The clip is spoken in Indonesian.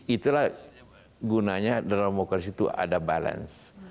itulah gunanya dalam demokrasi itu ada balance